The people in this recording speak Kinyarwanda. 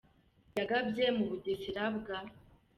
yagabye mu Bugesera bwa.